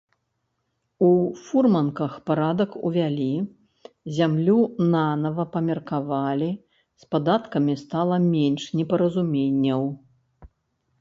У фурманках парадак увялі, зямлю нанава памеркавалі, з падаткамі стала менш непаразуменняў.